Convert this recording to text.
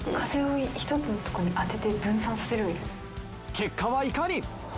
結果はいかに？